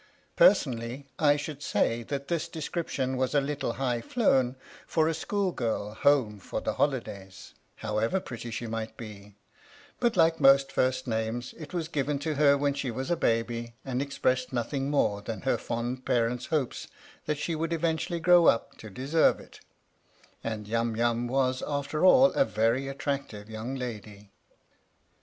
Personally I should say that this description was a little high flown fora school girl home for the holidays, however pretty she might be, but like most first names, it was given to her when she was a baby and expressed nothing more than her fond parents' hopes that she would eventually grow up to deserve it, and Yum Yum was after all a very attractive young lady.